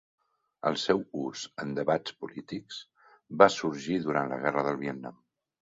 El seu ús en debats polítics, va sorgir durant la Guerra del Vietnam.